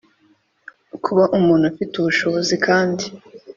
kuba umuntu ufite ubushobozi kandi